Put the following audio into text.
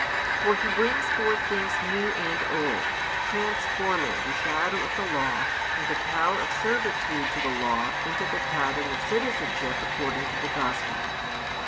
For he brings forth things new and old, transforming the shadow of the Law and the power of servitude to the Law into the pattern of citizenship according to the Gospel.